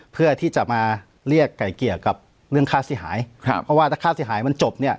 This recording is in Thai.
เพื่อที่จะมาเรียกไก่เกลี่ยกับเรื่องค่าเสียหายครับเพราะว่าถ้าค่าเสียหายมันจบเนี่ย